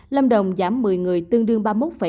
lâm đồng giảm một mươi người tương đương ba mươi một năm